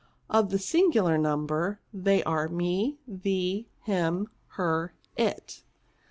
Of the singular number, they are, me^ thee, him, her, it.